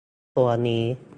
ตัวนี้